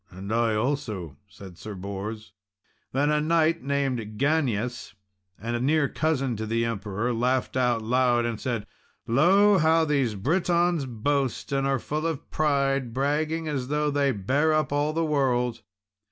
"And I also," said Sir Bors. Then a knight named Ganius, a near cousin of the Emperor, laughed out aloud, and said, "Lo! how these Britons boast and are full of pride, bragging as though they bare up all the world!"